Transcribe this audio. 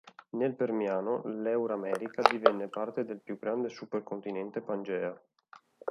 Nel Permiano, l'Euramerica divenne parte del più grande supercontinente Pangea.